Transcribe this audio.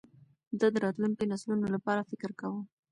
ده د راتلونکو نسلونو لپاره فکر کاوه.